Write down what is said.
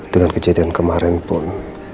dengan kejadian kemarin pun